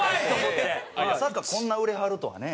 まさかこんな売れはるとはね。